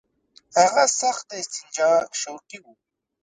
هغه سخت د استنجا شوقي وو.